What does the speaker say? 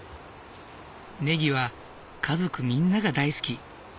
ネギは家族みんなが大好き。